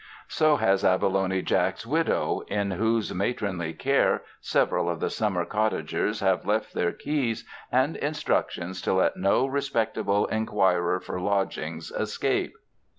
So has Abalone Jack's widow, in whose matronly care several of the summer cottagers have left their keys and in structions to let no respectable inquirer for lodg ings escape.